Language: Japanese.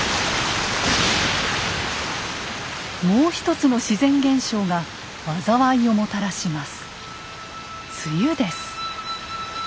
もう一つの自然現象が災いをもたらします。